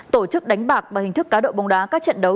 tổ chức đánh bạc bằng hình thức cá độ bóng đá các trận đấu